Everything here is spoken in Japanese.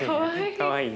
かわいいね。